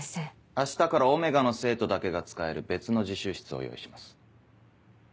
明日からΩの生徒だけが使える別の自習室を用意します。